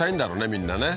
みんなね